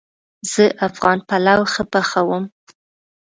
زه افغان پلو ښه پخوم